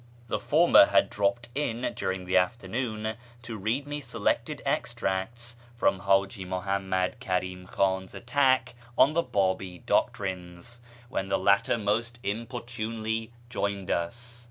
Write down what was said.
The former had dropped in during the afternoon to read me selected extracts from H;iji Muhammad Kari'm Khan's attack on the Babi doctrines, when the latter most inopportunely joined us.